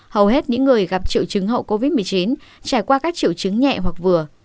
hầu hết những người gặp triệu chứng hậu covid một mươi chín trải qua các triệu chứng nhẹ hoặc vừa